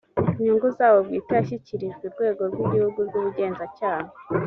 nyungu zabo bwite yashyikirijwe urwego rw igihugu rw ubugenzacyaha